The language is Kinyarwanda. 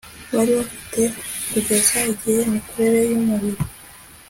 bari bafite kugeza igihe imikorere yumubiri